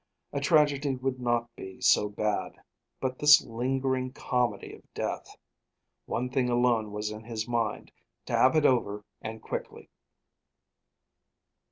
A tragedy would not be so bad, but this lingering comedy of death One thing alone was in his mind: to have it over, and quickly.